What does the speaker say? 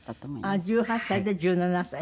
ああ１８歳と１７歳。